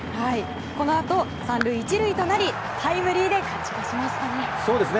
このあと、３塁１塁となりタイムリーで勝ち越しましたね。